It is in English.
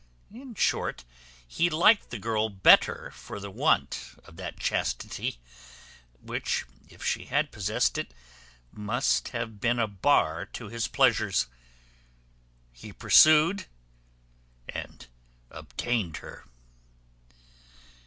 In short, he liked the girl the better for the want of that chastity, which, if she had possessed it, must have been a bar to his pleasures; he pursued and obtained her.